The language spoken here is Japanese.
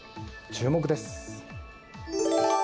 注目です。